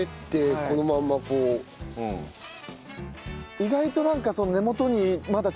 意外となんかその。